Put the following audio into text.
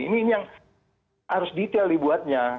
ini yang harus detail dibuatnya